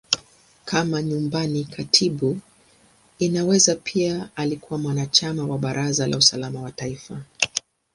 Kama Nyumbani Katibu, Inaweza pia alikuwa mwanachama wa Baraza la Usalama wa Taifa.